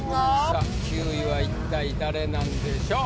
さぁ９位は一体誰なんでしょう？